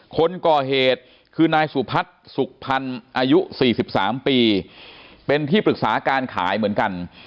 คนก่อเหตุคือนายสุพัฒน์สุขพันธ์อายุ๔๓ปีเป็นที่ปรึกษาการขายเหมือนกัน